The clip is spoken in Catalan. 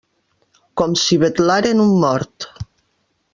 Com si vetlaren un mort.